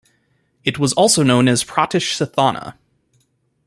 It was also known as Pratishsthana.